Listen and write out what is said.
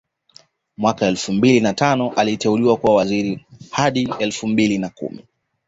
Mwaka elfu mbili na tano aliteuliwa kuwa waziri hadi mwaka elfu mbili na kumi